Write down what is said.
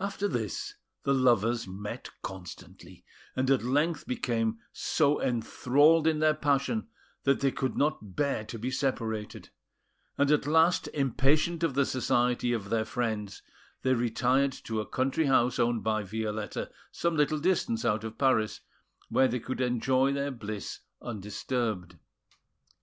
After this, the lovers met constantly, and at length became so enthralled in their passion that they could not bear to be separated; and at last, impatient of the society of their friends, they retired to a country house owned by Violetta some little distance out of Paris, where they could enjoy their bliss undisturbed.